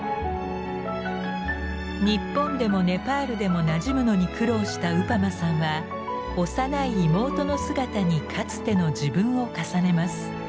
日本でもネパールでもなじむのに苦労したウパマさんは幼い妹の姿にかつての自分を重ねます。